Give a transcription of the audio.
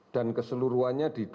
dan keseluruhannya saya tidak tahu